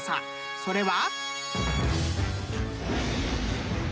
［それは］